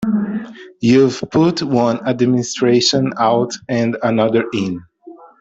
You've put one administration out and another in.